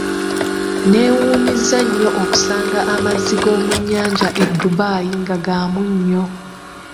Neewuunyizza nnyo okusanga amazzi g'omu nnyanja e Dubai nga gamunnyo.